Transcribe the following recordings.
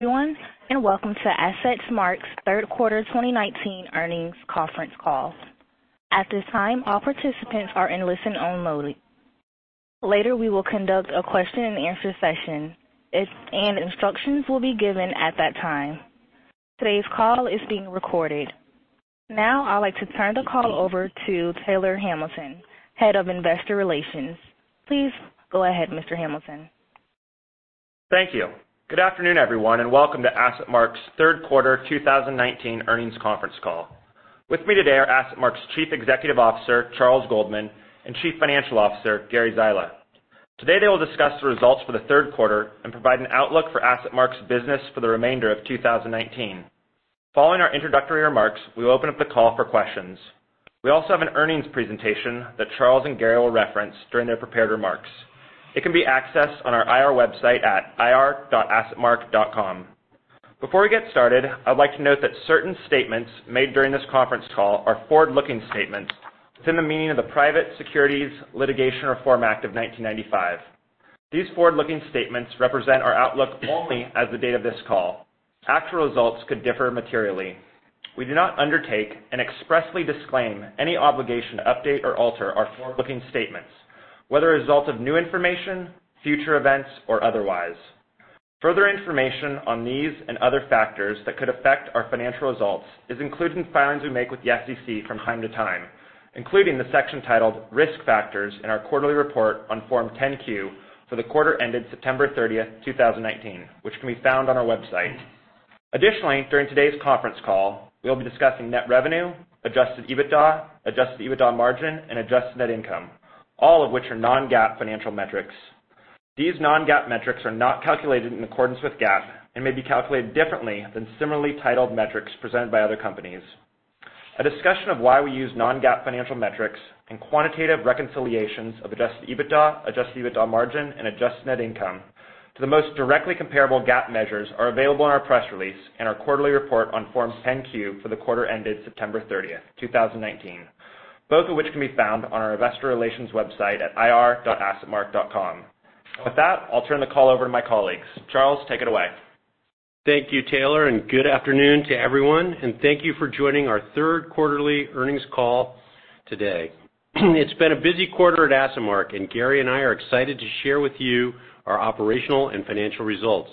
Everyone, welcome to AssetMark's third quarter 2019 earnings conference call. At this time, all participants are in listen-only mode. Later, we will conduct a question and answer session, and instructions will be given at that time. Today's call is being recorded. Now, I'd like to turn the call over to Taylor Hamilton, head of investor relations. Please go ahead, Mr. Hamilton. Thank you. Good afternoon, everyone, and welcome to AssetMark's third quarter 2019 earnings conference call. With me today are AssetMark's Chief Executive Officer, Charles Goldman, and Chief Financial Officer, Gary Zyla. Today, they will discuss the results for the third quarter and provide an outlook for AssetMark's business for the remainder of 2019. Following our introductory remarks, we will open up the call for questions. We also have an earnings presentation that Charles and Gary will reference during their prepared remarks. It can be accessed on our IR website at ir.assetmark.com. Before we get started, I'd like to note that certain statements made during this conference call are forward-looking statements within the meaning of the Private Securities Litigation Reform Act of 1995. These forward-looking statements represent our outlook only as of the date of this call. Actual results could differ materially. We do not undertake and expressly disclaim any obligation to update or alter our forward-looking statements, whether as a result of new information, future events, or otherwise. Further information on these and other factors that could affect our financial results is included in filings we make with the SEC from time to time, including the section titled Risk Factors in our quarterly report on Form 10-Q for the quarter ended September 30th, 2019, which can be found on our website. Additionally, during today's conference call, we'll be discussing net revenue, adjusted EBITDA, adjusted EBITDA margin, and adjusted net income, all of which are non-GAAP financial metrics. These non-GAAP metrics are not calculated in accordance with GAAP and may be calculated differently than similarly titled metrics presented by other companies. A discussion of why we use non-GAAP financial metrics and quantitative reconciliations of adjusted EBITDA, adjusted EBITDA margin, and adjusted net income to the most directly comparable GAAP measures are available in our press release and our quarterly report on Form 10-Q for the quarter ended September 30th, 2019, both of which can be found on our investor relations website at ir.assetmark.com. With that, I'll turn the call over to my colleagues. Charles, take it away. Thank you, Taylor, and good afternoon to everyone, and thank you for joining our third quarterly earnings call today. It's been a busy quarter at AssetMark, and Gary Zyla and I are excited to share with you our operational and financial results.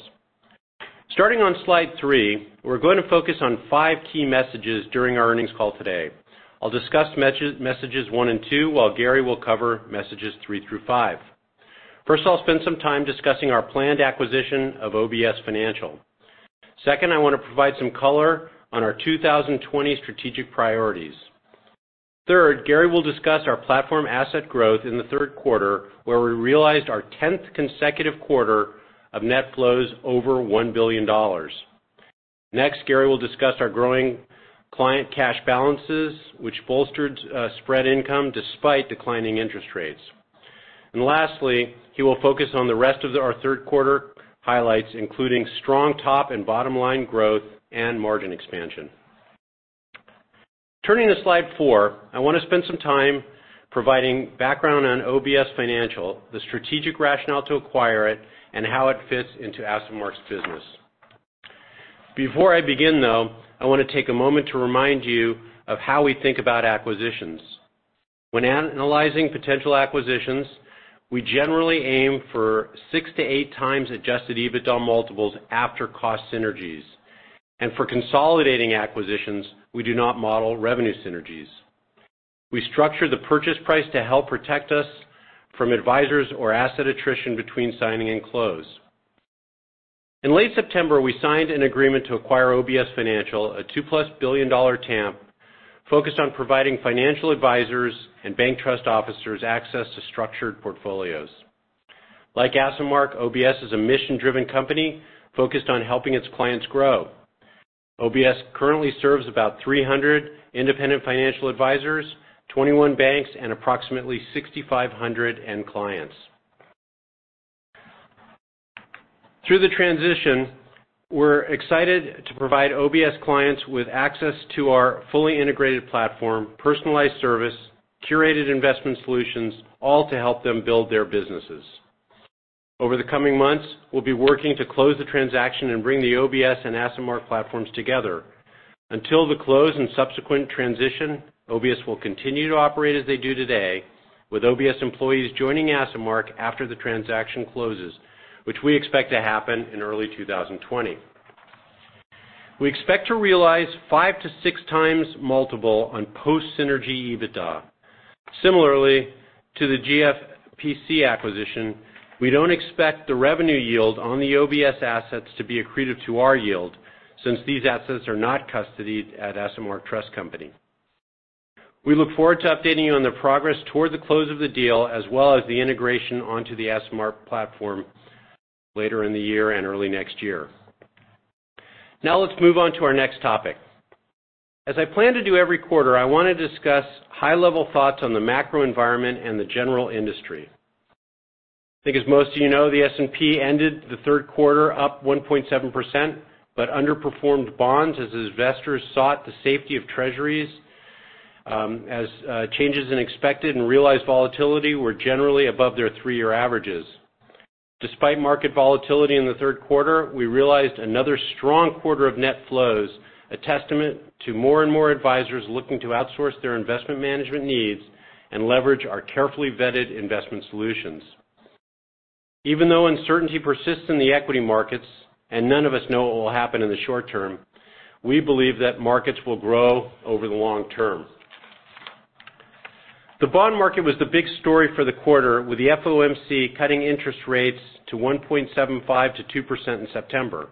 Starting on slide three, we're going to focus on five key messages during our earnings call today. I'll discuss messages one and two, while Gary Zyla will cover messages three through five. First of all, I'll spend some time discussing our planned acquisition of OBS Financial. Second, I want to provide some color on our 2020 strategic priorities. Third, Gary Zyla will discuss our platform asset growth in the third quarter, where we realized our 10th consecutive quarter of net flows over $1 billion. Next, Gary Zyla will discuss our growing client cash balances, which bolstered spread income despite declining interest rates. Lastly, he will focus on the rest of our third quarter highlights, including strong top and bottom-line growth and margin expansion. Turning to slide four, I want to spend some time providing background on OBS Financial, the strategic rationale to acquire it, and how it fits into AssetMark's business. Before I begin, though, I want to take a moment to remind you of how we think about acquisitions. When analyzing potential acquisitions, we generally aim for six to eight times adjusted EBITDA multiples after cost synergies. For consolidating acquisitions, we do not model revenue synergies. We structure the purchase price to help protect us from advisors or asset attrition between signing and close. In late September, we signed an agreement to acquire OBS Financial, a $2+ billion TAM, focused on providing financial advisors and bank trust officers access to structured portfolios. Like AssetMark, OBS is a mission-driven company focused on helping its clients grow. OBS currently serves about 300 independent financial advisors, 21 banks, and approximately 6,500 end clients. Through the transition, we're excited to provide OBS clients with access to our fully integrated platform, personalized service, curated investment solutions, all to help them build their businesses. Over the coming months, we'll be working to close the transaction and bring the OBS and AssetMark platforms together. Until the close and subsequent transition, OBS will continue to operate as they do today, with OBS employees joining AssetMark after the transaction closes, which we expect to happen in early 2020. We expect to realize 5x-6x multiple on post-synergy EBITDA. Similarly to the GFPC acquisition, we don't expect the revenue yield on the OBS assets to be accretive to our yield, since these assets are not custodied at AssetMark Trust Company. We look forward to updating you on the progress toward the close of the deal, as well as the integration onto the AssetMark platform later in the year and early next year. Now, let's move on to our next topic. As I plan to do every quarter, I want to discuss high-level thoughts on the macro environment and the general industry. I think as most of you know, the S&P ended the third quarter up 1.7%, but underperformed bonds as investors sought the safety of treasuries as changes in expected and realized volatility were generally above their 3-year averages. Despite market volatility in the third quarter, we realized another strong quarter of net flows, a testament to more and more advisors looking to outsource their investment management needs and leverage our carefully vetted investment solutions. Even though uncertainty persists in the equity markets, and none of us know what will happen in the short term, we believe that markets will grow over the long term. The bond market was the big story for the quarter, with the FOMC cutting interest rates to 1.75% to 2% in September.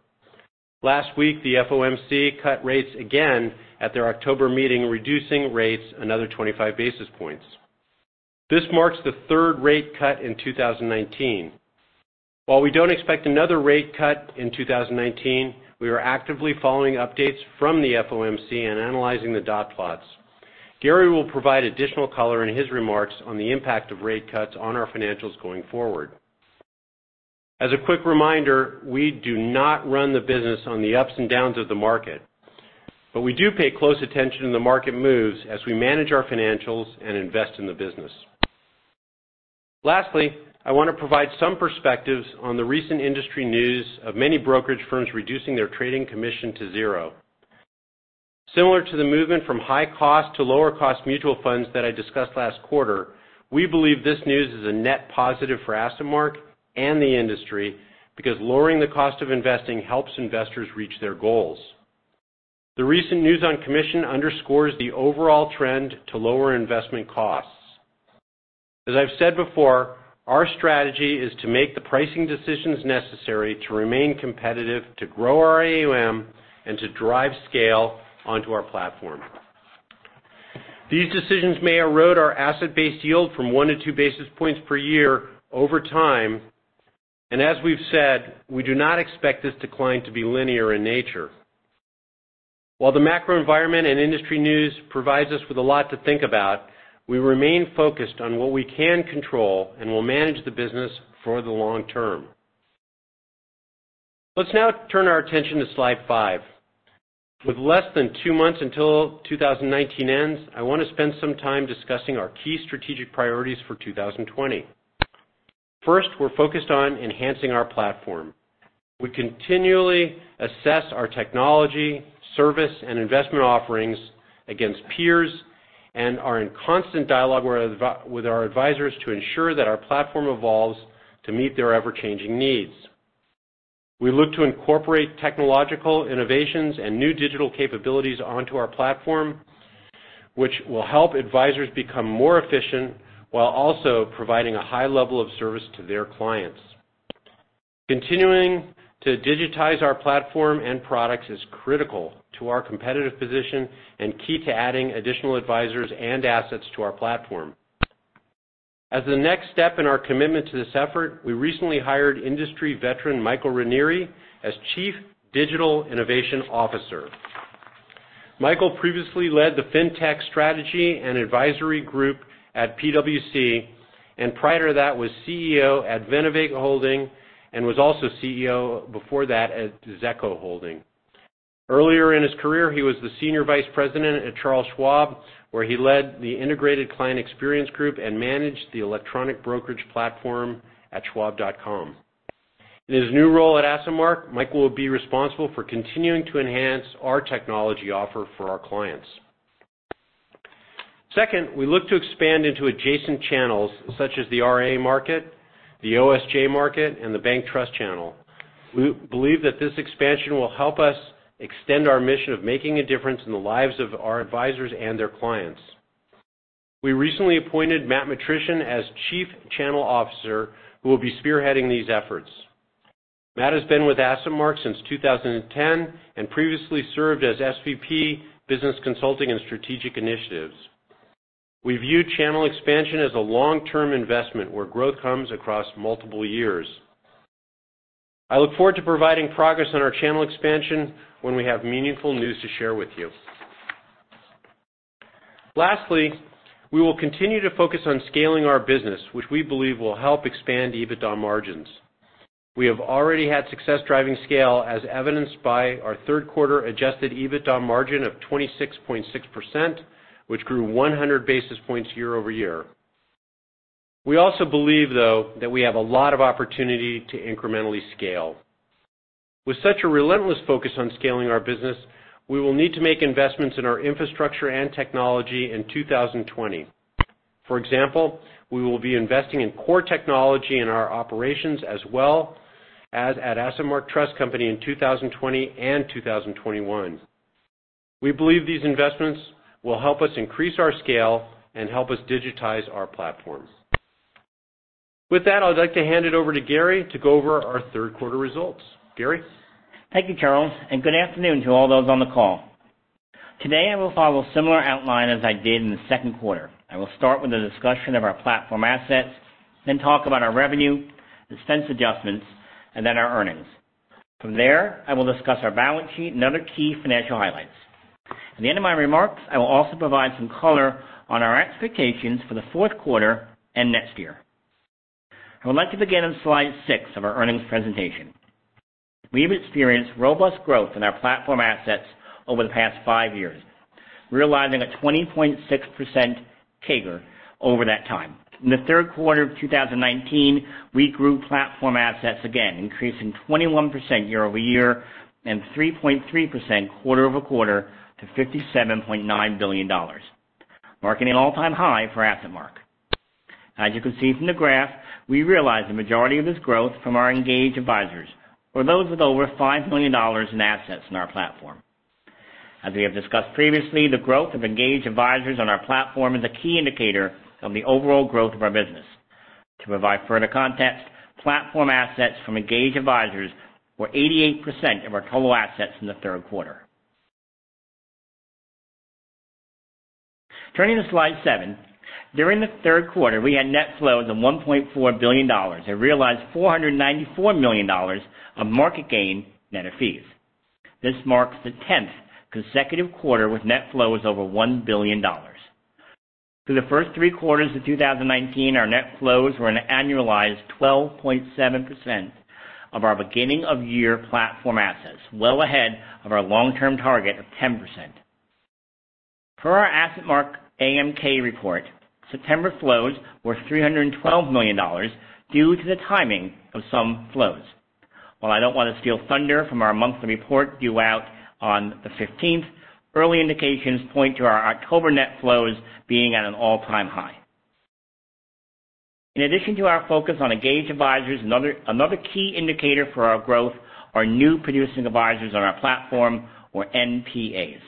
Last week, the FOMC cut rates again at their October meeting, reducing rates another 25 basis points. This marks the third rate cut in 2019. While we don't expect another rate cut in 2019, we are actively following updates from the FOMC and analyzing the dot plots. Gary will provide additional color in his remarks on the impact of rate cuts on our financials going forward. As a quick reminder, we do not run the business on the ups and downs of the market. We do pay close attention to the market moves as we manage our financials and invest in the business. Lastly, I want to provide some perspectives on the recent industry news of many brokerage firms reducing their trading commission to zero. Similar to the movement from high cost to lower cost mutual funds that I discussed last quarter, we believe this news is a net positive for AssetMark and the industry, because lowering the cost of investing helps investors reach their goals. The recent news on commission underscores the overall trend to lower investment costs. As I've said before, our strategy is to make the pricing decisions necessary to remain competitive, to grow our AUM, and to drive scale onto our platform. These decisions may erode our asset base yield from 1-2 basis points per year over time, and as we've said, we do not expect this decline to be linear in nature. While the macro environment and industry news provides us with a lot to think about, we remain focused on what we can control and will manage the business for the long term. Let's now turn our attention to slide five. With less than two months until 2019 ends, I want to spend some time discussing our key strategic priorities for 2020. First, we're focused on enhancing our platform. We continually assess our technology, service, and investment offerings against peers and are in constant dialogue with our advisors to ensure that our platform evolves to meet their ever-changing needs. We look to incorporate technological innovations and new digital capabilities onto our platform, which will help advisors become more efficient while also providing a high level of service to their clients. Continuing to digitize our platform and products is critical to our competitive position and key to adding additional advisors and assets to our platform. As the next step in our commitment to this effort, we recently hired industry veteran Michael Raneri as Chief Digital Innovation Officer. Michael previously led the fintech strategy and advisory group at PwC, and prior to that was CEO at Venovate Holdings and was also CEO before that at Zecco Holdings. Earlier in his career, he was the Senior Vice President at Charles Schwab, where he led the integrated client experience group and managed the electronic brokerage platform at schwab.com. In his new role at AssetMark, Michael will be responsible for continuing to enhance our technology offer for our clients. Second, we look to expand into adjacent channels such as the RIA market, the OSJ market, and the bank trust channel. We believe that this expansion will help us extend our mission of making a difference in the lives of our advisors and their clients. We recently appointed Matt Matrisian as Chief Channel Officer, who will be spearheading these efforts. Matt has been with AssetMark since 2010 and previously served as SVP Business Consulting and Strategic Initiatives. We view channel expansion as a long-term investment where growth comes across multiple years. I look forward to providing progress on our channel expansion when we have meaningful news to share with you. Lastly, we will continue to focus on scaling our business, which we believe will help expand EBITDA margins. We have already had success driving scale, as evidenced by our third quarter adjusted EBITDA margin of 26.6%, which grew 100 basis points year-over-year. We also believe, though, that we have a lot of opportunity to incrementally scale. With such a relentless focus on scaling our business, we will need to make investments in our infrastructure and technology in 2020. For example, we will be investing in core technology in our operations as well as at AssetMark Trust Company in 2020 and 2021. We believe these investments will help us increase our scale and help us digitize our platforms. With that, I'd like to hand it over to Gary to go over our third quarter results. Gary? Thank you, Charles. Good afternoon to all those on the call. Today, I will follow a similar outline as I did in the second quarter. I will start with a discussion of our platform assets, then talk about our revenue, expense adjustments, and then our earnings. From there, I will discuss our balance sheet and other key financial highlights. At the end of my remarks, I will also provide some color on our expectations for the fourth quarter and next year. I would like to begin on slide six of our earnings presentation. We've experienced robust growth in our platform assets over the past five years, realizing a 20.6% CAGR over that time. In the third quarter of 2019, we grew platform assets again, increasing 21% year-over-year and 3.3% quarter-over-quarter to $57.9 billion, marking an all-time high for AssetMark. As you can see from the graph, we realized the majority of this growth from our engaged advisors or those with over $5 million in assets in our platform. As we have discussed previously, the growth of engaged advisors on our platform is a key indicator of the overall growth of our business. To provide further context, platform assets from engaged advisors were 88% of our total assets in the third quarter. Turning to slide seven. During the third quarter, we had net flows of $1.4 billion and realized $494 million of market gain net of fees. This marks the tenth consecutive quarter with net flows over $1 billion. Through the first three quarters of 2019, our net flows were an annualized 12.7% of our beginning of year platform assets, well ahead of our long-term target of 10%. Per our AssetMark AMK report, September flows were $312 million due to the timing of some flows. While I don't want to steal thunder from our monthly report due out on the 15th, early indications point to our October net flows being at an all-time high. In addition to our focus on engaged advisors, another key indicator for our growth are new producing advisors on our platform or NPAs.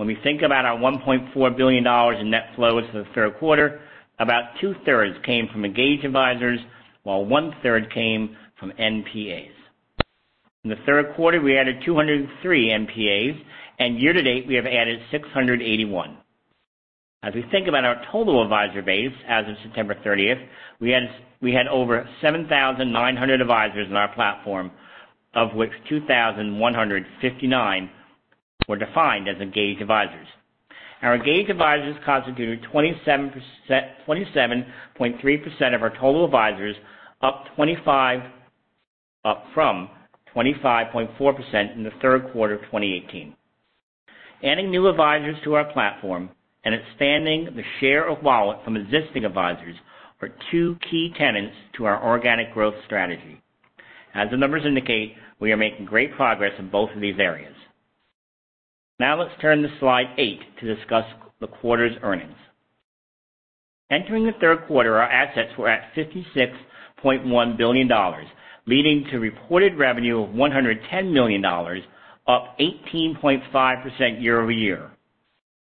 When we think about our $1.4 billion in net flows for the third quarter, about two-thirds came from engaged advisors, while one-third came from NPAs. In the third quarter, we added 203 NPAs, and year to date, we have added 681. As we think about our total advisor base as of September 30th, we had over 7,900 advisors on our platform, of which 2,159 were defined as engaged advisors. Our engaged advisors constituted 27.3% of our total advisors, up from 25.4% in the third quarter of 2018. Adding new advisors to our platform and expanding the share of wallet from existing advisors are two key tenets to our organic growth strategy. As the numbers indicate, we are making great progress in both of these areas. Now let's turn to slide eight to discuss the quarter's earnings. Entering the third quarter, our assets were at $56.1 billion, leading to reported revenue of $110 million, up 18.5% year-over-year,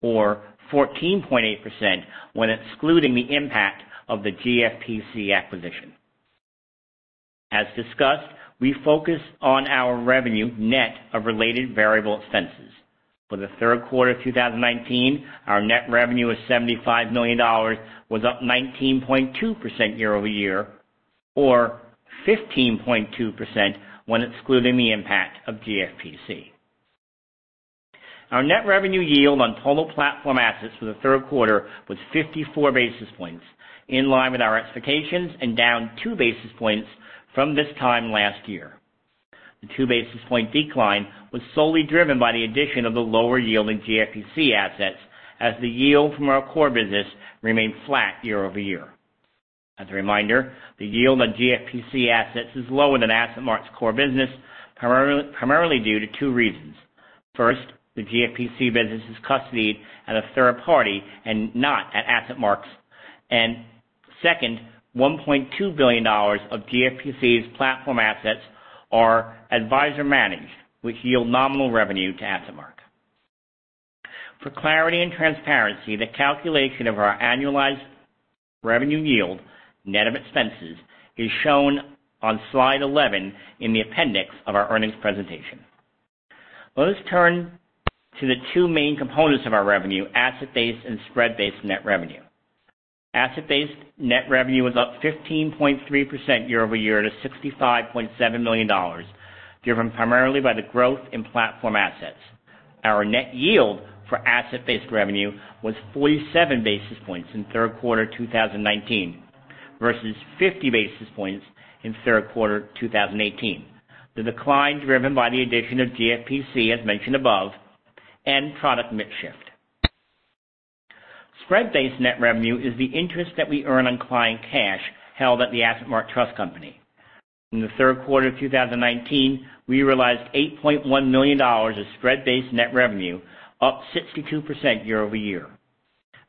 or 14.8% when excluding the impact of the GFPC acquisition. As discussed, we focus on our revenue net of related variable expenses. For the third quarter 2019, our net revenue of $75 million was up 19.2% year-over-year, or 15.2% when excluding the impact of GFPC. Our net revenue yield on total platform assets for the third quarter was 54 basis points, in line with our expectations and down two basis points from this time last year. The two basis point decline was solely driven by the addition of the lower yielding GFPC assets, as the yield from our core business remained flat year-over-year. As a reminder, the yield on GFPC assets is lower than AssetMark's core business, primarily due to two reasons. First, the GFPC business is custodied at a third party and not at AssetMark's. Second, $1.2 billion of GFPC's platform assets are advisor-managed, which yield nominal revenue to AssetMark. For clarity and transparency, the calculation of our annualized revenue yield, net of expenses, is shown on slide 11 in the appendix of our earnings presentation. Let us turn to the two main components of our revenue, asset-based and spread-based net revenue. Asset-based net revenue was up 15.3% year-over-year to $65.7 million, driven primarily by the growth in platform assets. Our net yield for asset-based revenue was 47 basis points in third quarter 2019 versus 50 basis points in third quarter 2018. The decline driven by the addition of GFPC, as mentioned above, and product mix shift. Spread-based net revenue is the interest that we earn on client cash held at the AssetMark Trust Company. In the third quarter of 2019, we realized $8.1 million of spread-based net revenue, up 62% year-over-year.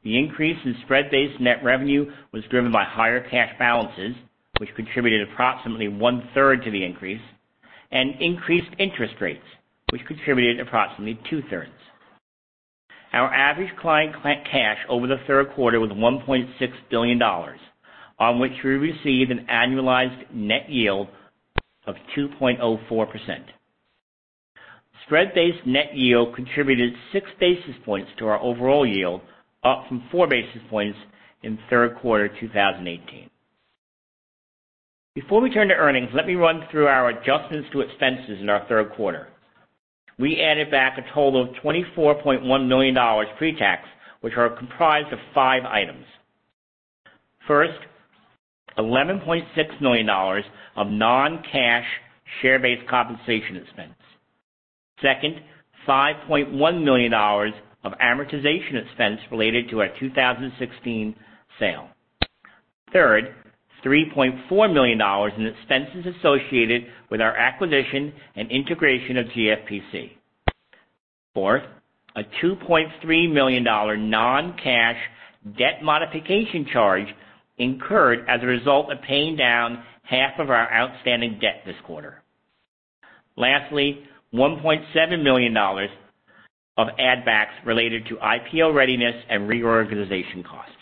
The increase in spread-based net revenue was driven by higher cash balances, which contributed approximately one-third to the increase, and increased interest rates, which contributed approximately two-thirds. Our average client cash over the third quarter was $1.6 billion, on which we received an annualized net yield of 2.04%. Spread-based net yield contributed six basis points to our overall yield, up from four basis points in third quarter 2018. Before we turn to earnings, let me run through our adjustments to expenses in our third quarter. We added back a total of $24.1 million pre-tax, which are comprised of five items. First, $11.6 million of non-cash share-based compensation expense. Second, $5.1 million of amortization expense related to our 2016 sale. Third, $3.4 million in expenses associated with our acquisition and integration of GFPC. Fourth, a $2.3 million non-cash debt modification charge incurred as a result of paying down half of our outstanding debt this quarter. Lastly, $1.7 million of add backs related to IPO readiness and reorganization costs.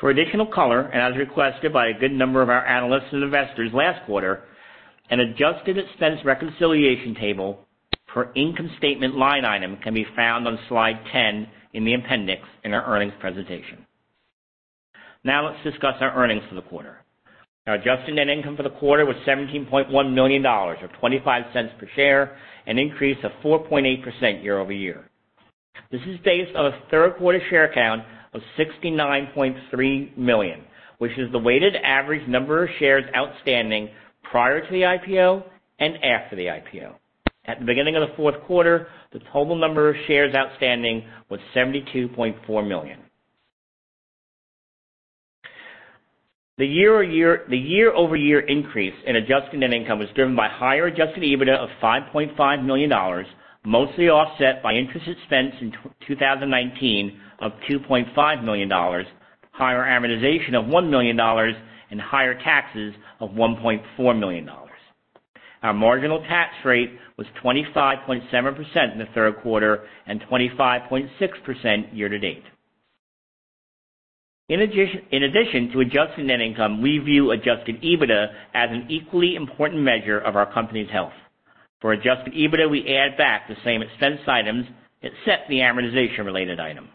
For additional color, and as requested by a good number of our analysts and investors last quarter, an adjusted expense reconciliation table per income statement line item can be found on slide 10 in the appendix in our earnings presentation. Now let's discuss our earnings for the quarter. Our adjusted net income for the quarter was $17.1 million, or $0.25 per share, an increase of 4.8% year-over-year. This is based on a third quarter share count of 69.3 million, which is the weighted average number of shares outstanding prior to the IPO and after the IPO. At the beginning of the fourth quarter, the total number of shares outstanding was 72.4 million. The year-over-year increase in adjusted net income was driven by higher adjusted EBITDA of $5.5 million, mostly offset by interest expense in 2019 of $2.5 million, higher amortization of $1 million, and higher taxes of $1.4 million. Our marginal tax rate was 25.7% in the third quarter and 25.6% year to date. In addition to adjusted net income, we view adjusted EBITDA as an equally important measure of our company's health. For adjusted EBITDA, we add back the same expense items except the amortization-related item.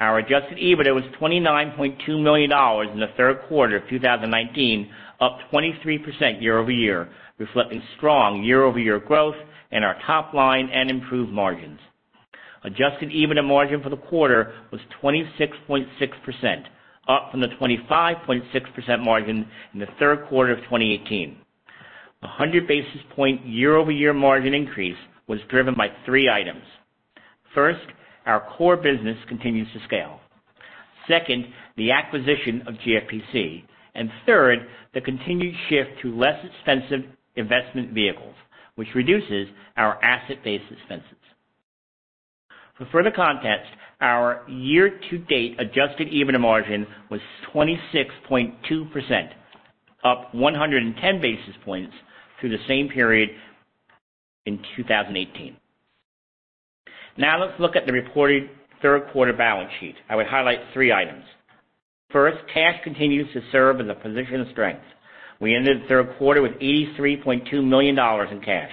Our adjusted EBITDA was $29.2 million in the third quarter of 2019, up 23% year-over-year, reflecting strong year-over-year growth in our top line and improved margins. Adjusted EBITDA margin for the quarter was 26.6%, up from the 25.6% margin in the third quarter of 2018. A 100 basis point year-over-year margin increase was driven by three items. First, our core business continues to scale. Second, the acquisition of GFPC. Third, the continued shift to less expensive investment vehicles, which reduces our asset-based expenses. For further context, our year-to-date adjusted EBITDA margin was 26.2%, up 110 basis points through the same period in 2018. Now let's look at the reported third quarter balance sheet. I would highlight three items. First, cash continues to serve in a position of strength. We ended the third quarter with $83.2 million in cash.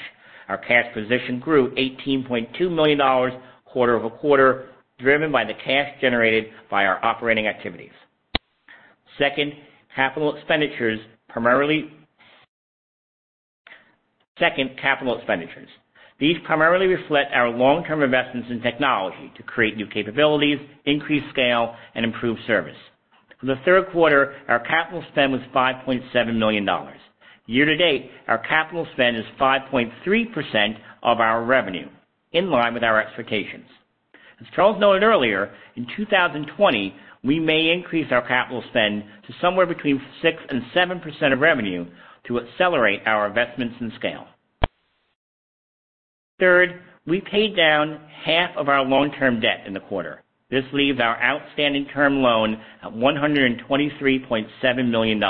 Our cash position grew $18.2 million quarter-over-quarter, driven by the cash generated by our operating activities. Second, capital expenditures. These primarily reflect our long-term investments in technology to create new capabilities, increase scale, and improve service. For the third quarter, our capital spend was $5.7 million. Year-to-date, our capital spend is 5.3% of our revenue, in line with our expectations. As Charles noted earlier, in 2020, we may increase our capital spend to somewhere between 6% and 7% of revenue to accelerate our investments and scale. Third, we paid down half of our long-term debt in the quarter. This leaves our outstanding term loan at $123.7 million.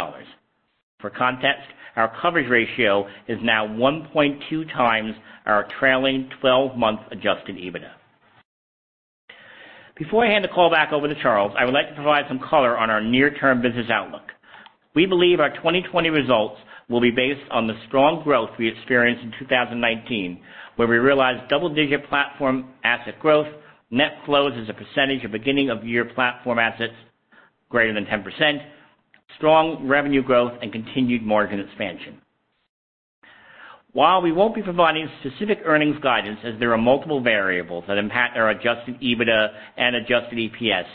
For context, our coverage ratio is now 1.2 times our trailing 12-month adjusted EBITDA. Before I hand the call back over to Charles, I would like to provide some color on our near-term business outlook. We believe our 2020 results will be based on the strong growth we experienced in 2019, where we realized double-digit platform asset growth, net flows as a percentage of beginning of year platform assets greater than 10%, strong revenue growth, and continued margin expansion. While we won't be providing specific earnings guidance, as there are multiple variables that impact our adjusted EBITDA and adjusted EPS,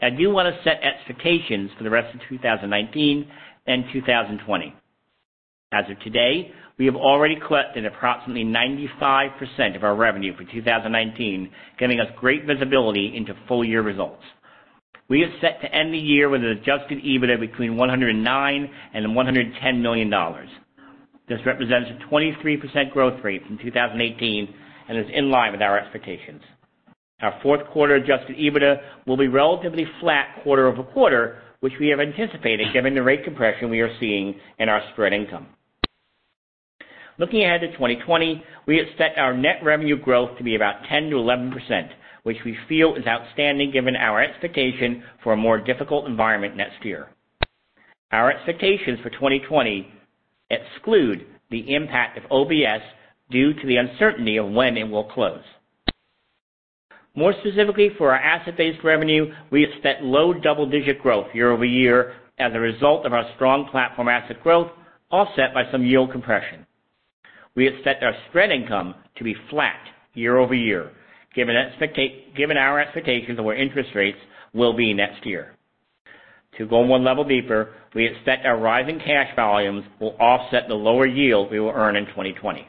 I do want to set expectations for the rest of 2019 and 2020. As of today, we have already collected approximately 95% of our revenue for 2019, giving us great visibility into full year results. We are set to end the year with an adjusted EBITDA between $109 million and $110 million. This represents a 23% growth rate from 2018 and is in line with our expectations. Our fourth quarter adjusted EBITDA will be relatively flat quarter-over-quarter, which we have anticipated given the rate compression we are seeing in our spread income. Looking ahead to 2020, we expect our net revenue growth to be about 10%-11%, which we feel is outstanding given our expectation for a more difficult environment next year. Our expectations for 2020 exclude the impact of OBS due to the uncertainty of when it will close. More specifically for our asset-based revenue, we expect low double-digit growth year-over-year as a result of our strong platform asset growth, offset by some yield compression. We expect our spread income to be flat year-over-year, given our expectations of where interest rates will be next year. To go 1 level deeper, we expect our rising cash volumes will offset the lower yield we will earn in 2020.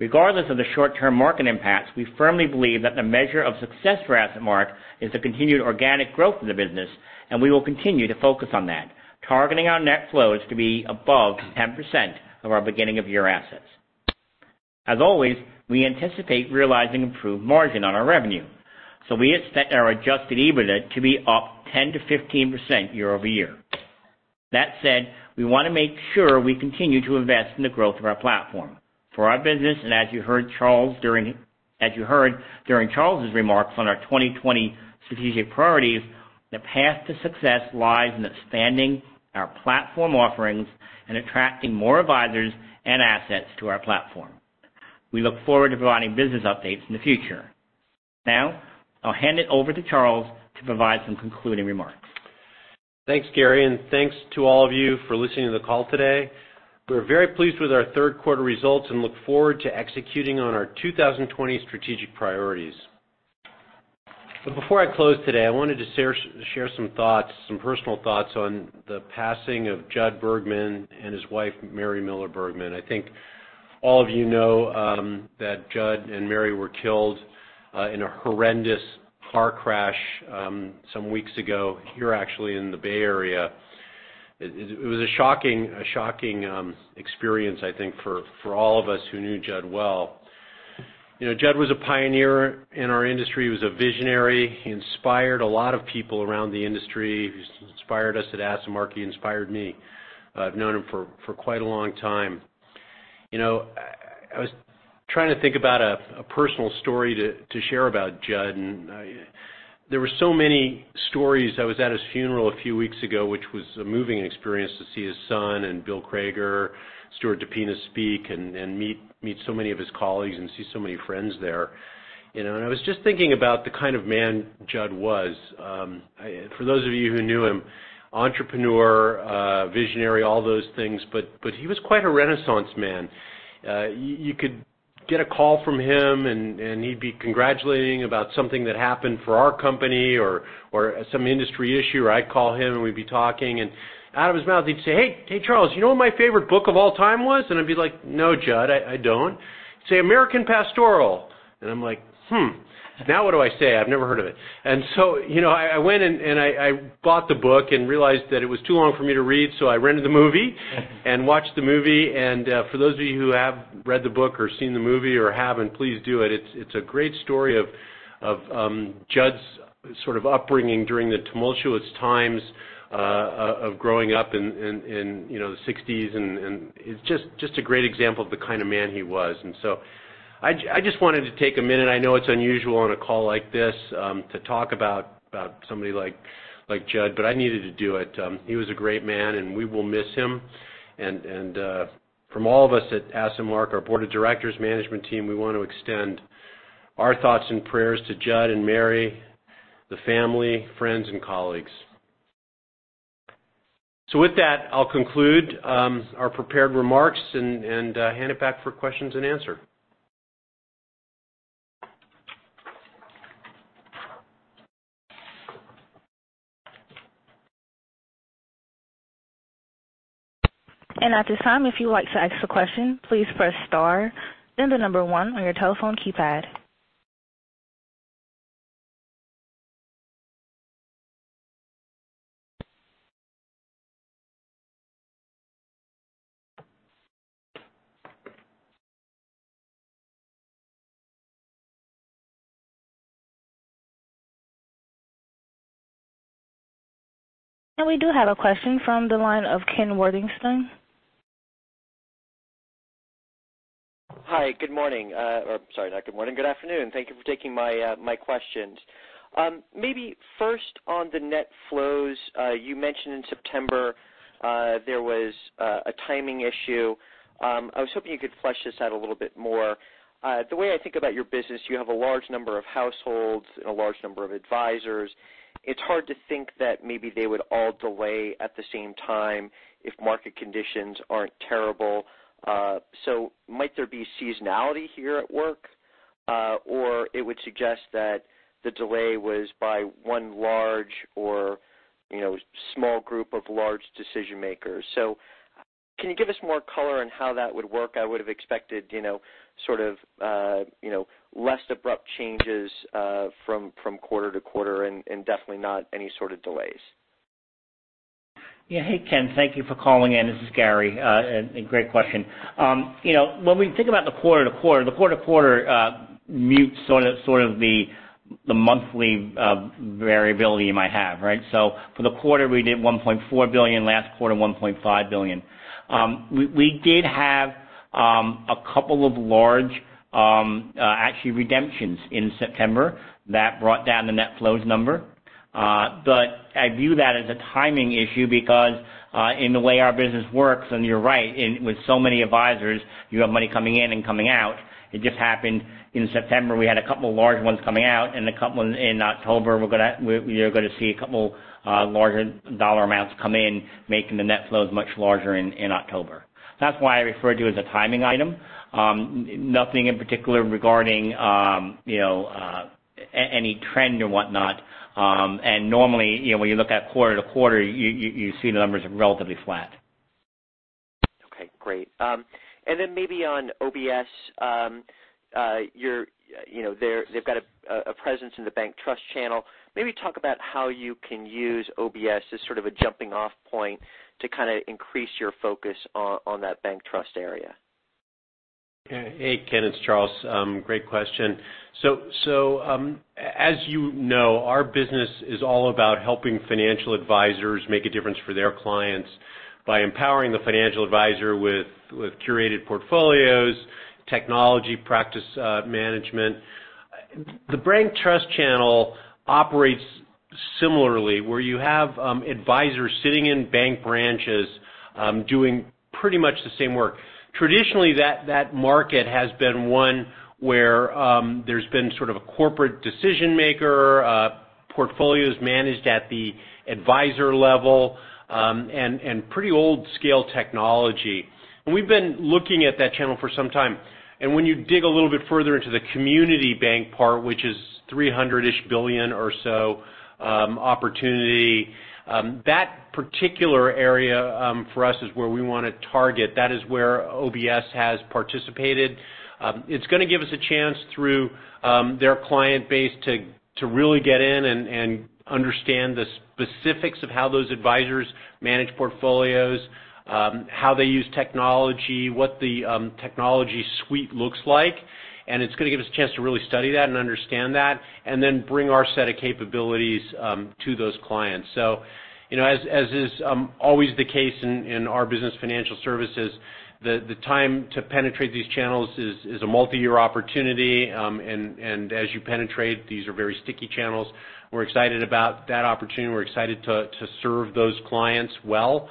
Regardless of the short-term market impacts, we firmly believe that the measure of success for AssetMark is the continued organic growth of the business, and we will continue to focus on that, targeting our net flows to be above 10% of our beginning of year assets. As always, we anticipate realizing improved margin on our revenue. We expect our adjusted EBITDA to be up 10%-15% year-over-year. That said, we want to make sure we continue to invest in the growth of our platform. For our business, and as you heard during Charles' remarks on our 2020 strategic priorities, the path to success lies in expanding our platform offerings and attracting more advisors and assets to our platform. We look forward to providing business updates in the future. I'll hand it over to Charles to provide some concluding remarks. Thanks, Gary, thanks to all of you for listening to the call today. We're very pleased with our third quarter results and look forward to executing on our 2020 strategic priorities. Before I close today, I wanted to share some personal thoughts on the passing of Jud Bergman and his wife, Mary Miller-Bergman. I think all of you know that Judd and Mary were killed in a horrendous car crash some weeks ago here, actually, in the Bay Area. It was a shocking experience, I think, for all of us who knew Judd well. Judd was a pioneer in our industry. He was a visionary. He inspired a lot of people around the industry. He inspired us at AssetMark. He inspired me. I've known him for quite a long time. I was trying to think about a personal story to share about Jud, and there were so many stories. I was at his funeral a few weeks ago, which was a moving experience to see his son and Bill Crager, Stuart DePina speak, and meet so many of his colleagues and see so many friends there. I was just thinking about the kind of man Jud was. For those of you who knew him, entrepreneur, visionary, all those things, but he was quite a renaissance man. You could get a call from him, and he'd be congratulating about something that happened for our company or some industry issue, or I'd call him and we'd be talking, and out of his mouth, he'd say, "Hey, Charles, you know what my favorite book of all time was?" I'd be like, "No, Jud, I don't." He'd say, "American Pastoral." I'm like, "Hmm. Now what do I say? I've never heard of it." I went and I bought the book and realized that it was too long for me to read, so I rented the movie and watched the movie. For those of you who have read the book or seen the movie or haven't, please do it. It's a great story of Jud's sort of upbringing during the tumultuous times of growing up in the '60s, and it's just a great example of the kind of man he was. I just wanted to take a minute. I know it's unusual on a call like this to talk about somebody like Jud, but I needed to do it. He was a great man, and we will miss him. From all of us at AssetMark, our board of directors, management team, we want to extend our thoughts and prayers to Jud and Mary, the family, friends, and colleagues. With that, I'll conclude our prepared remarks and hand it back for questions and answer. At this time, if you'd like to ask a question, please press star then the number one on your telephone keypad. We do have a question from the line of Kenneth Worthington. Hi. Good morning. Sorry, not good morning. Good afternoon. Thank you for taking my questions. Maybe first on the net flows. You mentioned in September there was a timing issue. I was hoping you could flesh this out a little bit more. The way I think about your business, you have a large number of households and a large number of advisors. It's hard to think that maybe they would all delay at the same time if market conditions aren't terrible. Might there be seasonality here at work? It would suggest that the delay was by one large or small group of large decision makers. Can you give us more color on how that would work? I would have expected sort of less abrupt changes from quarter to quarter, and definitely not any sort of delays. Yeah. Hey, Ken. Thank you for calling in. This is Gary. Great question. When we think about the quarter-over-quarter, the quarter-over-quarter mutes sort of the monthly variability you might have, right? For the quarter, we did $1.4 billion. Last quarter, $1.5 billion. We did have a couple of large, actually, redemptions in September that brought down the net flows number. I view that as a timing issue because in the way our business works, and you're right, with so many advisors, you have money coming in and coming out. It just happened in September, we had a couple of large ones coming out and a couple in October. We're going to see a couple larger dollar amounts come in, making the net flows much larger in October. That's why I refer to it as a timing item. Nothing in particular regarding any trend or whatnot. Normally, when you look at quarter-to-quarter, you see the numbers are relatively flat. Okay, great. Then maybe on OBS, they've got a presence in the bank trust channel. Maybe talk about how you can use OBS as sort of a jumping off point to increase your focus on that bank trust area. Hey, Ken, it's Charles. Great question. As you know, our business is all about helping financial advisors make a difference for their clients by empowering the financial advisor with curated portfolios, technology, practice management. The bank trust channel operates similarly, where you have advisors sitting in bank branches doing pretty much the same work. Traditionally, that market has been one where there's been sort of a corporate decision maker, portfolios managed at the advisor level, and pretty old scale technology. We've been looking at that channel for some time. When you dig a little bit further into the community bank part, which is $300-ish billion or so opportunity, that particular area for us is where we want to target. That is where OBS has participated. It's going to give us a chance through their client base to really get in and understand the specifics of how those advisors manage portfolios, how they use technology, what the technology suite looks like. It's going to give us a chance to really study that and understand that, and then bring our set of capabilities to those clients. As is always the case in our business financial services, the time to penetrate these channels is a multi-year opportunity. As you penetrate, these are very sticky channels. We're excited about that opportunity. We're excited to serve those clients well.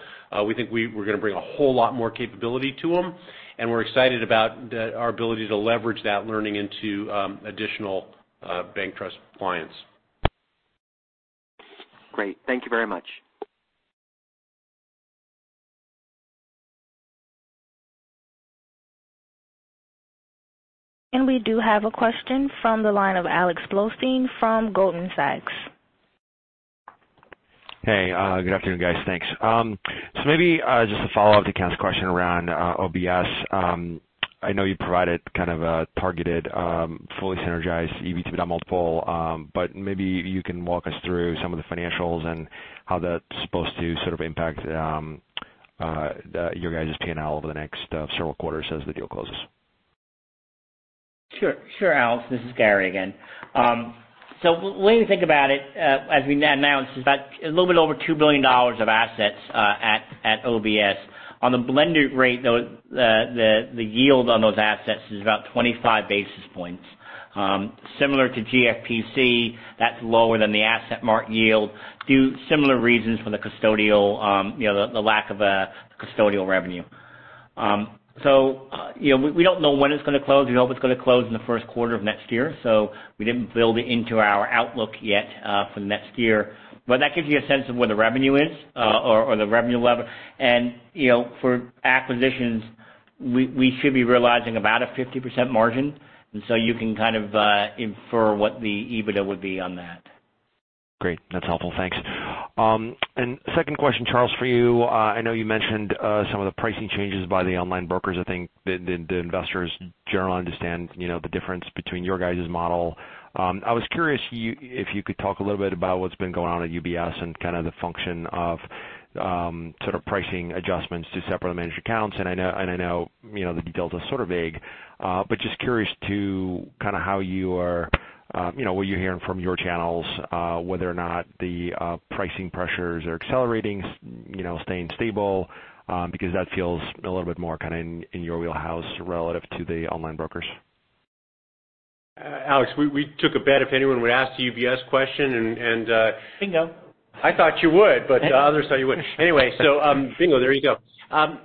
We think we're going to bring a whole lot more capability to them. We're excited about our ability to leverage that learning into additional bank trust clients. Great. Thank you very much. We do have a question from the line of Alexander Blostein from Goldman Sachs. Hey, good afternoon, guys. Thanks. Maybe just to follow up to Ken's question around OBS. I know you provided kind of a targeted, fully synergized EBITDA multiple, maybe you can walk us through some of the financials and how that's supposed to sort of impact your guys' P&L over the next several quarters as the deal closes. Sure, Alex. This is Gary again. The way to think about it, as we announced, it's about a little bit over $2 billion of assets at OBS. On the blended rate, the yield on those assets is about 25 basis points. Similar to GFPC, that's lower than the AssetMark yield due to similar reasons for the lack of a custodial revenue. We don't know when it's going to close. We hope it's going to close in the first quarter of next year. We didn't build it into our outlook yet for next year. That gives you a sense of where the revenue is or the revenue level. For acquisitions, we should be realizing about a 50% margin. You can kind of infer what the EBITDA would be on that. Great. That's helpful. Thanks. Second question, Charles, for you. I know you mentioned some of the pricing changes by the online brokers. I think the investors generally understand the difference between your guys' model. I was curious if you could talk a little bit about what's been going on at UBS and kind of the function of sort of pricing adjustments to separately managed accounts. I know the details are sort of vague. Just curious to what you're hearing from your channels, whether or not the pricing pressures are accelerating, staying stable, because that feels a little bit more kind of in your wheelhouse relative to the online brokers. Alex, we took a bet if anyone would ask the UBS question. Bingo. I thought you would, but others thought you wouldn't. Bingo, there you go.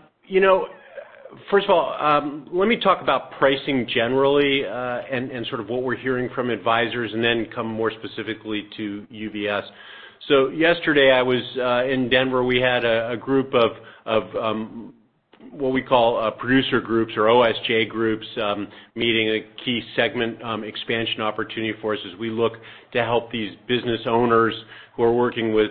First of all, let me talk about pricing generally, and sort of what we're hearing from advisors, and then come more specifically to UBS. Yesterday I was in Denver. We had a group of what we call producer groups or OSJ groups, meeting a key segment expansion opportunity for us as we look to help these business owners who are working with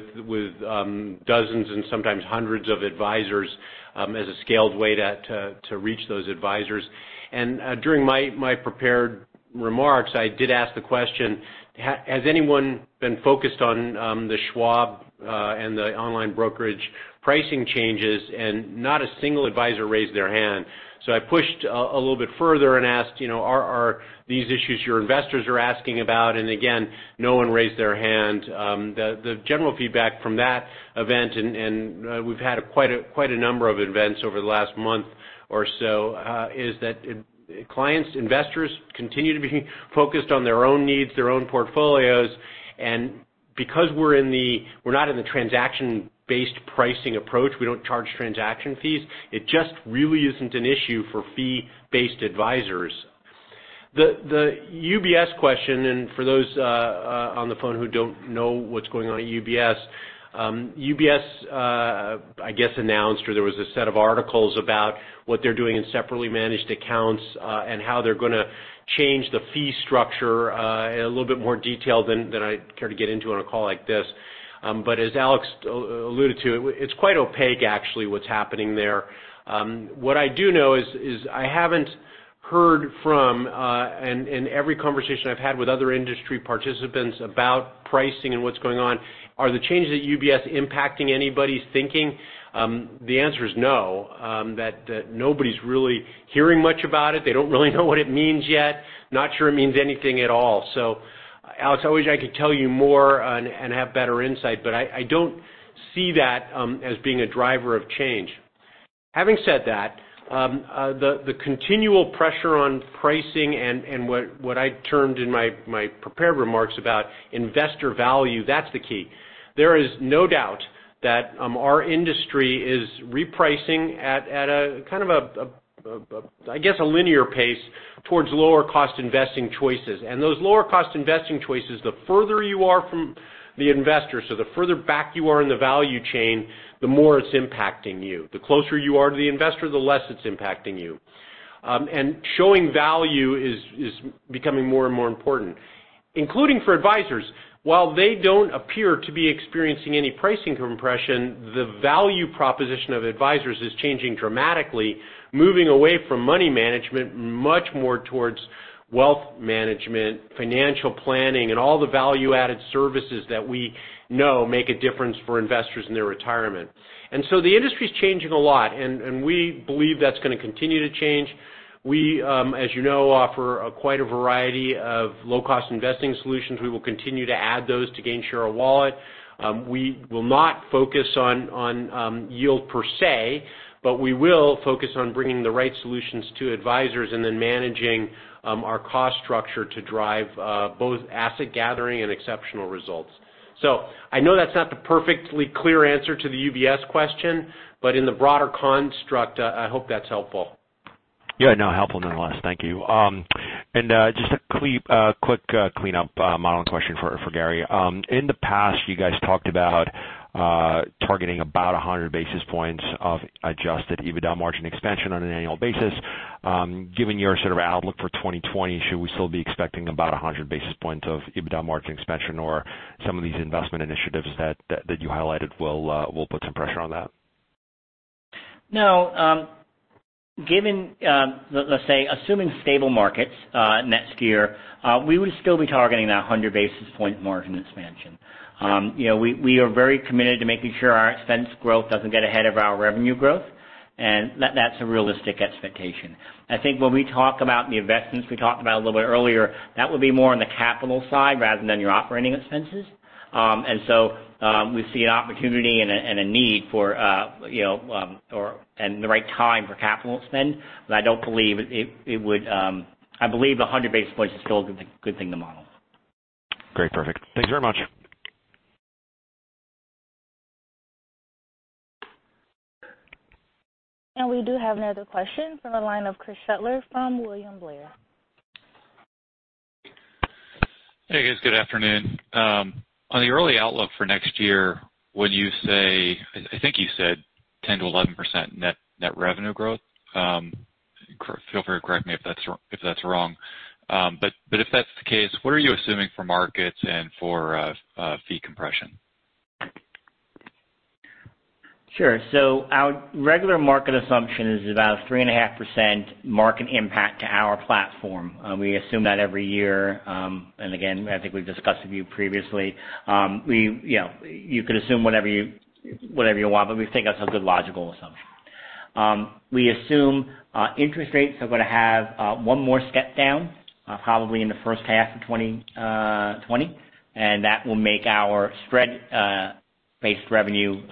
dozens and sometimes hundreds of advisors as a scaled way to reach those advisors. During my prepared remarks, I did ask the question, "Has anyone been focused on the Schwab and the online brokerage pricing changes?" Not a single advisor raised their hand. I pushed a little bit further and asked, "Are these issues your investors are asking about?" Again, no one raised their hand. The general feedback from that event, and we've had quite a number of events over the last month or so, is that clients, investors continue to be focused on their own needs, their own portfolios. Because we're not in the transaction-based pricing approach, we don't charge transaction fees. It just really isn't an issue for fee-based advisors. The UBS question, and for those on the phone who don't know what's going on at UBS. UBS, I guess, announced, or there was a set of articles about what they're doing in separately managed accounts, and how they're going to change the fee structure, in a little bit more detail than I'd care to get into on a call like this. As Alex alluded to, it's quite opaque, actually, what's happening there. What I do know is I haven't heard from, and every conversation I've had with other industry participants about pricing and what's going on. Are the changes at UBS impacting anybody's thinking? The answer is no. Nobody's really hearing much about it. They don't really know what it means yet. Not sure it means anything at all. Alex, I wish I could tell you more and have better insight, but I don't see that as being a driver of change. Having said that, the continual pressure on pricing and what I termed in my prepared remarks about investor value, that's the key. There is no doubt that our industry is repricing at a kind of, I guess, a linear pace towards lower cost investing choices. Those lower cost investing choices, the further you are from the investor, so the further back you are in the value chain, the more it's impacting you. The closer you are to the investor, the less it's impacting you. Showing value is becoming more and more important, including for advisors. While they don't appear to be experiencing any pricing compression, the value proposition of advisors is changing dramatically, moving away from money management, much more towards wealth management, financial planning, and all the value-added services that we know make a difference for investors in their retirement. The industry's changing a lot, and we believe that's going to continue to change. We, as you know, offer quite a variety of low-cost investing solutions. We will continue to add those to gain share of wallet. We will not focus on yield per se, but we will focus on bringing the right solutions to advisors and then managing our cost structure to drive both asset gathering and exceptional results. I know that's not the perfectly clear answer to the UBS question, but in the broader construct, I hope that's helpful. Yeah, no, helpful nonetheless. Thank you. Just a quick cleanup modeling question for Gary. In the past, you guys talked about targeting about 100 basis points of adjusted EBITDA margin expansion on an annual basis. Given your sort of outlook for 2020, should we still be expecting about 100 basis points of EBITDA margin expansion, or some of these investment initiatives that you highlighted will put some pressure on that? No. Given, let's say, assuming stable markets next year, we would still be targeting that 100 basis points margin expansion. We are very committed to making sure our expense growth doesn't get ahead of our revenue growth, and that's a realistic expectation. I think when we talk about the investments we talked about a little bit earlier, that would be more on the capital side rather than your operating expenses. We see an opportunity and a need for, and the right time for capital spend. I believe 100 basis points is still a good thing to model. Great. Perfect. Thanks very much. We do have another question from the line of Chris Shutler from William Blair. Hey, guys. Good afternoon. On the early outlook for next year, when you say, I think you said 10%-11% net revenue growth. Feel free to correct me if that's wrong. If that's the case, what are you assuming for markets and for fee compression? Sure. Our regular market assumption is about 3.5% market impact to our platform. We assume that every year. Again, I think we've discussed with you previously. You could assume whatever you want, but we think that's a good logical assumption. We assume interest rates are going to have one more step down, probably in the first half of 2020, and that will make our spread-based revenue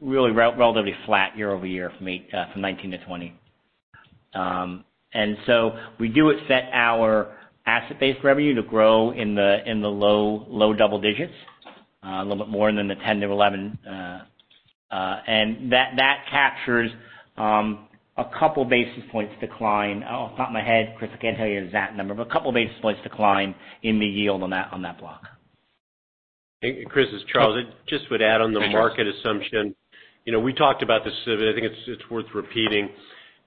really relatively flat year-over-year from 2019 to 2020. We do expect our asset-based revenue to grow in the low double digits, a little bit more than the 10-11. That captures a couple basis points decline. Off the top of my head, Chris, I can't tell you an exact number, but a couple basis points decline in the yield on that block. Hey, Chris, it's Charles. I just would add on the market assumption. We talked about this a bit. I think it's worth repeating.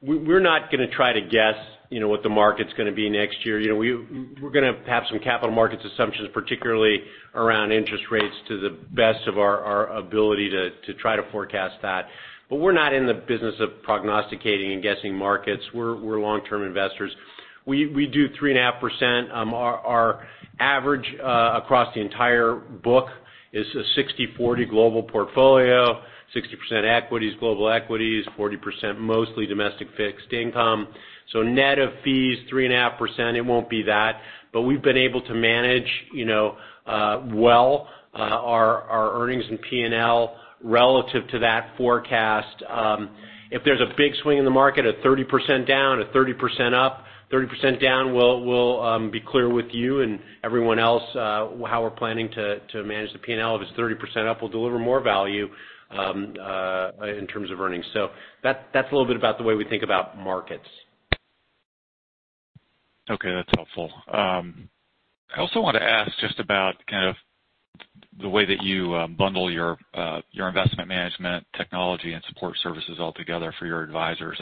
We're not going to try to guess what the market's going to be next year. We're going to have some capital markets assumptions, particularly around interest rates to the best of our ability to try to forecast that. We're not in the business of prognosticating and guessing markets. We're long-term investors. We do 3.5%. Our average across the entire book is a 60/40 global portfolio, 60% equities, global equities, 40% mostly domestic fixed income. Net of fees, 3.5%, it won't be that. We've been able to manage well our earnings and P&L relative to that forecast. If there's a big swing in the market of 30% down or 30% up, 30% down, we'll be clear with you and everyone else how we're planning to manage the P&L. If it's 30% up, we'll deliver more value in terms of earnings. That's a little bit about the way we think about markets. Okay, that's helpful. I also want to ask just about the way that you bundle your investment management technology and support services all together for your advisors.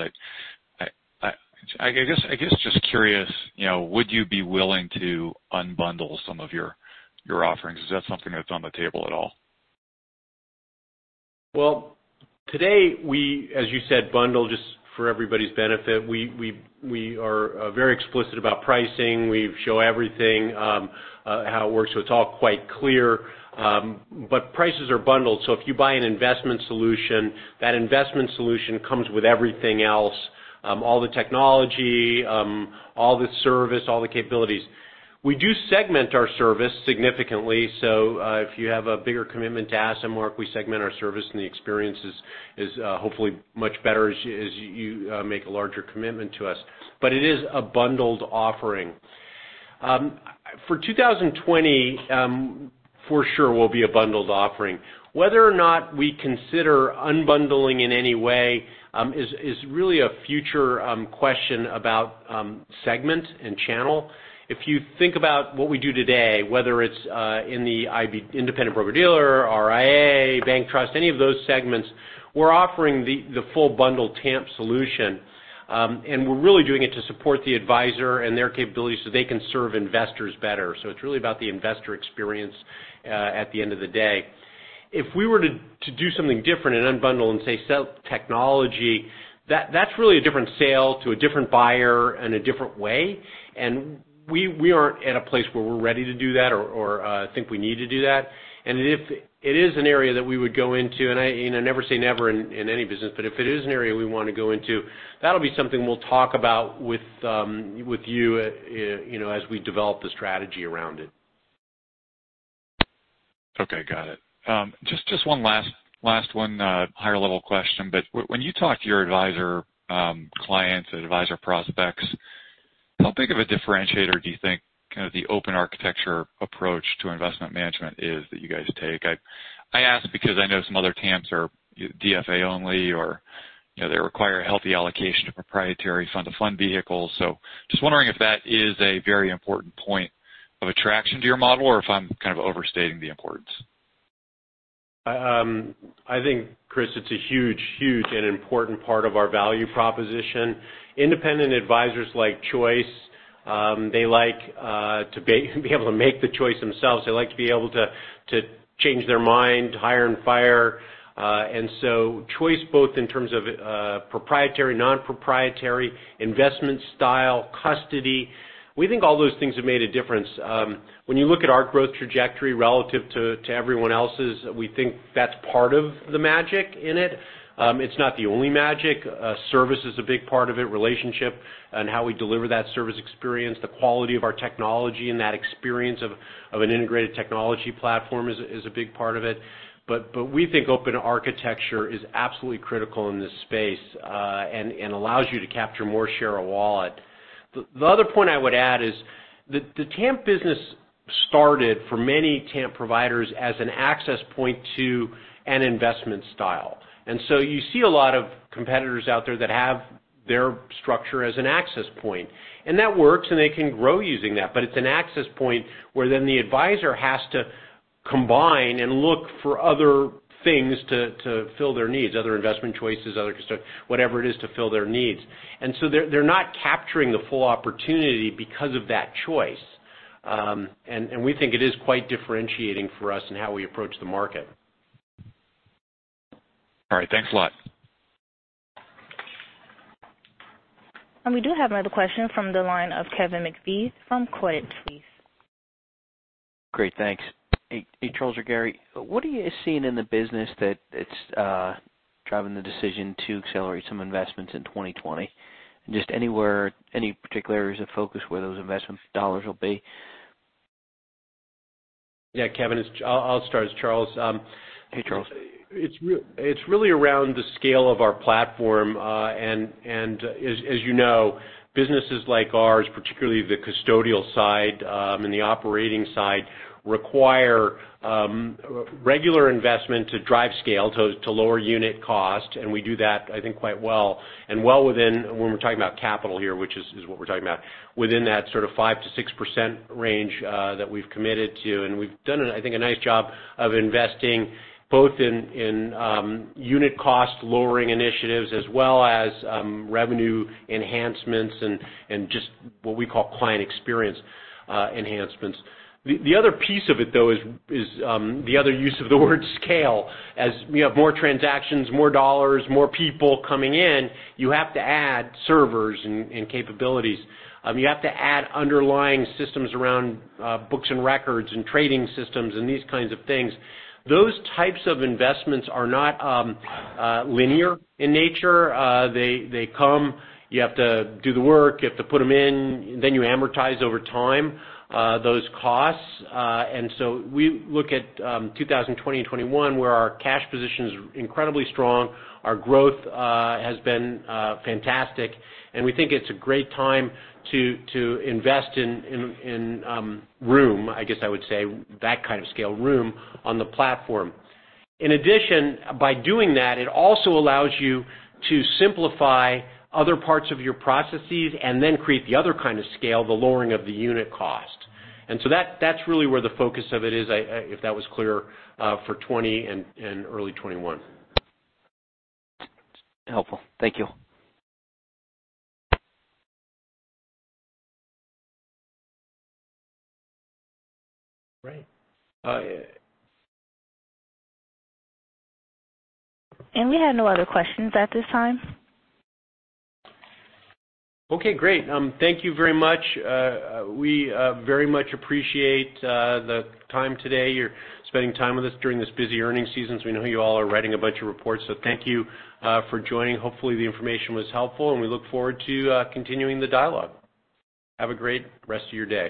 I guess just curious, would you be willing to unbundle some of your offerings? Is that something that's on the table at all? Well, today we, as you said, bundle just for everybody's benefit. We are very explicit about pricing. We show everything, how it works, so it's all quite clear. Prices are bundled, so if you buy an investment solution, that investment solution comes with everything else, all the technology, all the service, all the capabilities. We do segment our service significantly, so if you have a bigger commitment to AssetMark, we segment our service, and the experience is hopefully much better as you make a larger commitment to us. It is a bundled offering. For 2020, for sure will be a bundled offering. Whether or not we consider unbundling in any way is really a future question about segment and channel. If you think about what we do today, whether it's in the independent broker-dealer, RIA, bank trust, any of those segments, we're offering the full bundle TAMP solution. We're really doing it to support the advisor and their capabilities so they can serve investors better. It's really about the investor experience at the end of the day. If we were to do something different and unbundle and say, sell technology, that's really a different sale to a different buyer in a different way, and we aren't at a place where we're ready to do that or think we need to do that. If it is an area that we would go into, and never say never in any business, but if it is an area we want to go into, that'll be something we'll talk about with you as we develop the strategy around it. Okay, got it. Just one last higher-level question. When you talk to your advisor clients and advisor prospects, how big of a differentiator do you think the open architecture approach to investment management is that you guys take? I ask because I know some other TAMPs are DFA only, or they require a healthy allocation to proprietary fund-to-fund vehicles. Just wondering if that is a very important point of attraction to your model, or if I'm overstating the importance? I think, Chris, it's a huge and important part of our value proposition. Independent advisors like choice. They like to be able to make the choice themselves. They like to be able to change their mind, hire and fire. Choice both in terms of proprietary, non-proprietary investment style, custody. We think all those things have made a difference. When you look at our growth trajectory relative to everyone else's, we think that's part of the magic in it. It's not the only magic. Service is a big part of it, relationship and how we deliver that service experience, the quality of our technology, and that experience of an integrated technology platform is a big part of it. We think open architecture is absolutely critical in this space and allows you to capture more share of wallet. The other point I would add is the TAMP business started for many TAMP providers as an access point to an investment style. You see a lot of competitors out there that have their structure as an access point. That works, and they can grow using that. It's an access point where then the advisor has to combine and look for other things to fill their needs, other investment choices, other custody, whatever it is to fill their needs. They're not capturing the full opportunity because of that choice. We think it is quite differentiating for us in how we approach the market. All right, thanks a lot. We do have another question from the line of Kevin McPartland from Coalition Greenwich. Great, thanks. Hey, Charles or Gary, what are you seeing in the business that it's driving the decision to accelerate some investments in 2020? Just any particular areas of focus where those investment dollars will be? Yeah, Kevin, I'll start as Charles. Hey, Charles. It's really around the scale of our platform. As you know, businesses like ours, particularly the custodial side and the operating side, require regular investment to drive scale to lower unit cost, and we do that I think quite well. Well within, when we're talking about capital here, which is what we're talking about, within that sort of 5%-6% range that we've committed to. We've done I think a nice job of investing both in unit cost-lowering initiatives as well as revenue enhancements and just what we call client experience enhancements. The other piece of it, though, is the other use of the word scale. As we have more transactions, more dollars, more people coming in, you have to add servers and capabilities. You have to add underlying systems around books and records and trading systems and these kinds of things. Those types of investments are not linear in nature. They come, you have to do the work, you have to put them in, then you amortize over time those costs. We look at 2020 and 2021 where our cash position's incredibly strong. Our growth has been fantastic, and we think it's a great time to invest in room, I guess I would say that kind of scale room, on the platform. In addition, by doing that, it also allows you to simplify other parts of your processes and then create the other kind of scale, the lowering of the unit cost. That's really where the focus of it is, if that was clear, for 2020 and early 2021. Helpful. Thank you. Great. We have no other questions at this time. Okay, great. Thank you very much. We very much appreciate the time today. You're spending time with us during this busy earnings season, so we know you all are writing a bunch of reports, so thank you for joining. Hopefully, the information was helpful, and we look forward to continuing the dialogue. Have a great rest of your day.